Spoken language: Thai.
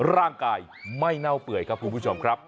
ร่างกายไม่เน่าเปื่อยครับคุณผู้ชมครับ